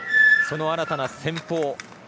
その新たな戦法。